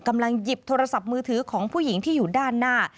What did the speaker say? กำลังหยิบโทรศัพท์มือถือของผู้หญิงที่อยู่ด้านหน้า